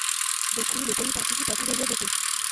Depuis, le pays participe à tous les Jeux d'été.